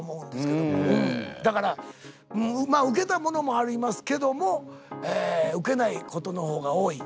だからウケたものもありますけどもウケないことの方が多い。